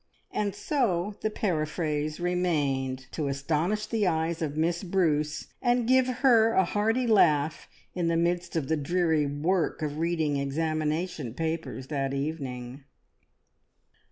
and so the paraphrase remained, to astonish the eyes of Miss Bruce, and give her a hearty laugh in the midst of the dreary work of reading examination papers that evening.